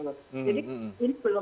jadi ini belum